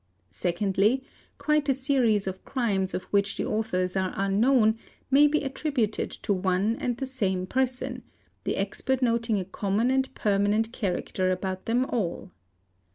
Secondly, quite a series | of crimes of which the authors are unknown may be attributed to one and _ the same person, the expert noting a common and permanent character about them all.